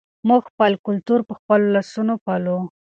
موږ خپل کلتور په خپلو لاسونو پالو.